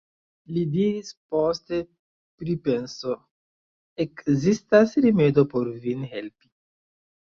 li diris post pripenso: ekzistas rimedo por vin helpi.